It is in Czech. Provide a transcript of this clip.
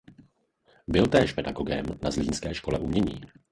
Byl též pedagogem na zlínské Škole umění.